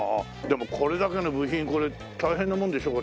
でもこれだけの部品これ大変なもんでしょ？